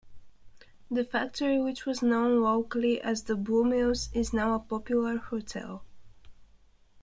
The factory, which was known locally as "the bluemills", is now a popular hotel.